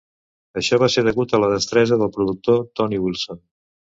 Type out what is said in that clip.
Això va ser degut a la destresa del productor Tony Wilson.